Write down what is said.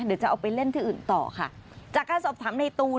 เดี๋ยวจะเอาไปเล่นที่อื่นต่อค่ะจากการสอบถามในตูน